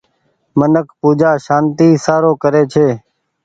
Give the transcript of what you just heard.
منک پوجآ سانتي سارو ڪري ڇي۔